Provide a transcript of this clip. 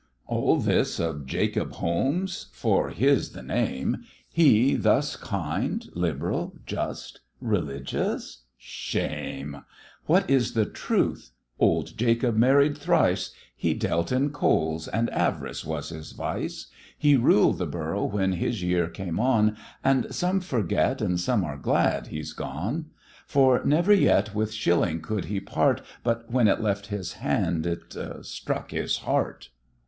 All this of Jacob Holmes? for his the name: He thus kind, liberal, just, religious? Shame! What is the truth? Old Jacob married thrice; He dealt in coals, and av'rice was his vice; He ruled the Borough when his year came on, And some forget, and some are glad he's gone; For never yet with shilling could he part, But when it left his hand it struck his heart.